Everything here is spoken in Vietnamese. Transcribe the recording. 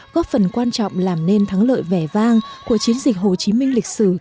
góp phần quan trọng làm nên thắng lợi vẻ vang của chiến dịch hồ chí minh lịch sử